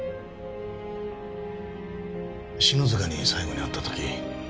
篠塚に最後に会った時。